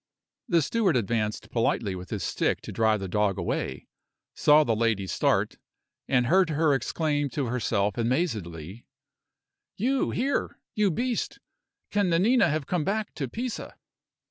The steward advancing politely with his stick to drive the dog away, saw the lady start, and heard her exclaim to herself amazedly: "You here, you beast! Can Nanina have come back to Pisa?"